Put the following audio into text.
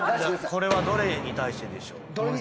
これはどれに対してでしょう？